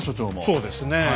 そうですねえ。